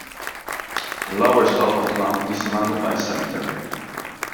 The lower slope of the mountain is surrounded by a cemetery.